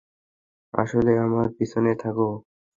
আসলে, আমার পিছনে থাকো।